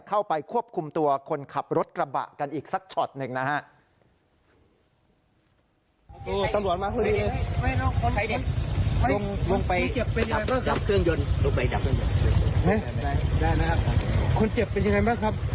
เข้าไปควบคุมตัวคนขับรถกระบะกันอีกสักช็อตหนึ่งนะฮะ